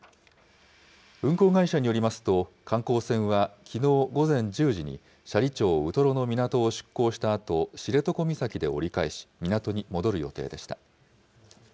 運航会社によりますと、観光船は、きのう午前１０時に斜里町ウトロの港を出航したあと知床岬で折り返し、港に戻る予定でした。